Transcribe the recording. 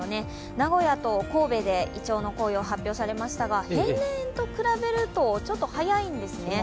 名古屋と神戸でいちょうの紅葉が発表されましたが平年と比べるとちょっと早いんですね。